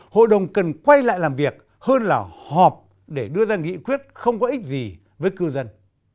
hội đồng cần quay lại làm việc hơn là họp để đưa ra nghị quyết không có ích gì với cư dân